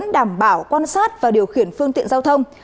đảm bảo quan sát và điều khiển phương tiện giao thông